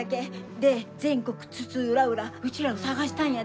で全国津々浦々うちらを捜したんやで。